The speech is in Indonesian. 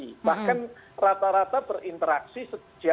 bahkan rata rata berinteraksi sejak bahkan rata rata berinteraksi sejak